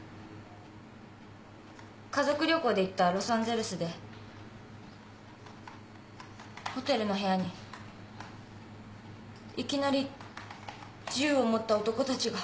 家族旅行で行ったロサンゼルスでホテルの部屋にいきなり銃を持った男たちが。